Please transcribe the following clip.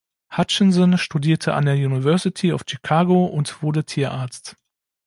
Hutchinson studierte an der University of Chicago und wurde Tierarzt.